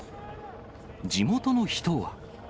地元の人は。